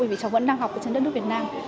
bởi vì cháu vẫn đang học ở trên đất nước việt nam